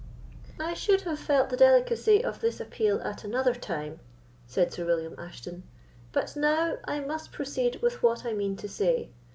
"I should have felt the delicacy of this appeal at another time," said Sir William Ashton, "but now I must proceed with what I mean to say.